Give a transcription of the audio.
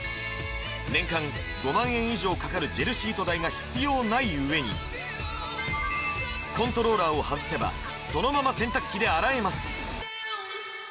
年間５万円以上かかるジェルシート代が必要ない上にコントローラーを外せばそのまま洗濯機で洗えます